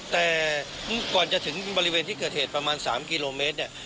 แต่ก่อนจะถึงบริเวณที่เกิดเหตุประมาณ๓กิโลเมตรเนี่ย